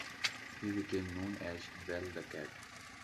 He became known as "Bell the Cat".